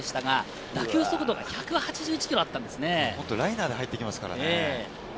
打球速度はライナーで入ってきますからね。